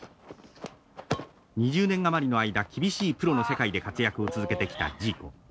２０年余りの間厳しいプロの世界で活躍を続けてきたジーコ。